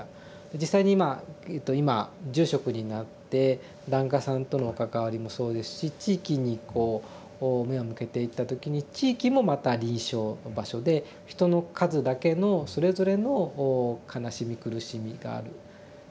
実際に今今住職になって檀家さんとの関わりもそうですし地域にこう目を向けていった時に地域もまた臨床場所で人の数だけのそれぞれの悲しみ苦しみがある。